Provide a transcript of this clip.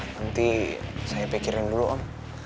nanti saya pikirin dulu om